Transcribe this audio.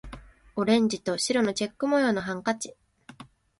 オレンジと白のチェック模様のハンカチ